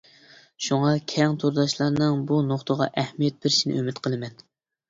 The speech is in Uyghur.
شۇڭا كەڭ تورداشلارنىڭ بۇ نۇقتىغا ئەھمىيەت بېرىشىنى ئۈمىد قىلىمەن.